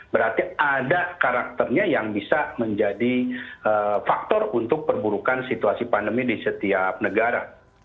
berarti ada karakternya yang bisa menjadi faktor untuk perburukan situasi pandemi di setiap negara